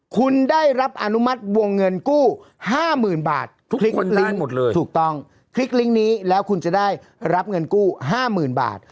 คุณได้รับอนุมัติวงเงินกู้๕๐๐๐๐บาททุกคนได้หมดเลยถูกต้องคลิกลิ้งค์นี้แล้วคุณจะได้รับเงินกู้๕๐๐๐๐บาท